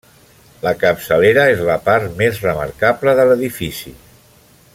La capçalera és la part més remarcable de l'edifici.